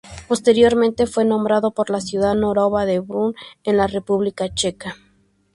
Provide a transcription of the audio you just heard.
Posteriormente fue nombrado por la ciudad morava de Brno en la República Checa.